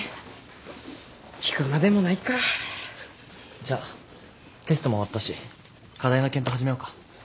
じゃテストも終わったし課題の検討始めようか。